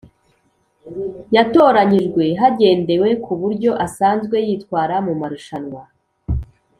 yatoranyijwe hagendewe ku buryo asanzwe yitwara mu marushanwa.